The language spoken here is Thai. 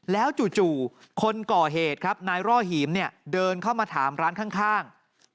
แล้วจู่คนก่อเหตุครับนายร่อหีมเนี่ยเดินเข้ามาถามร้านข้าง